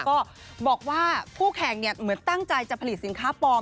ก็บอกว่าคู่แข่งเหมือนตั้งใจจะผลิตสินค้าปลอม